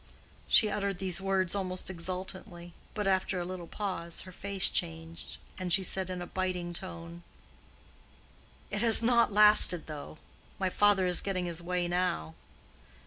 She uttered these words almost exultantly; but after a little pause her face changed, and she said in a biting tone, "It has not lasted, though. My father is getting his way now."